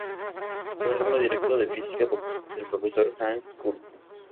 Fue alumno directo de Física del profesor Hans Kuhn.